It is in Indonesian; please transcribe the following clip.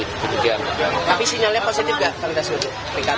tapi sinyalnya positif gak